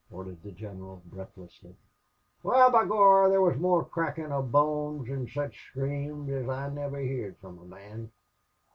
ordered the general, breathlessly. "Wal, b'gorra, there wuz more crackin' of bones, an' sich screams as I niver heerd from a mon.